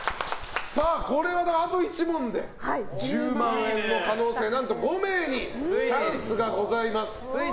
あと１問で１０万円の可能性が何と５名にチャンスがございます。